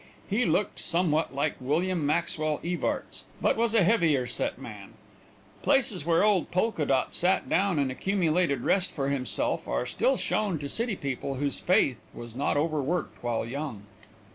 He looked somewhat like William Maxwell Evarts, but was a heavier set man. Places where old Polka Dot sat down and accumulated rest for himself are still shown to city people whose faith was not overworked while young.